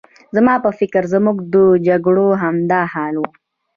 زما په فکر زموږ د جګړو همدا حال و.